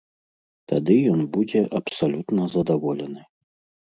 Тады ён будзе абсалютна задаволены.